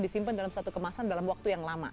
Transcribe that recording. disimpan dalam satu kemasan dalam waktu yang lama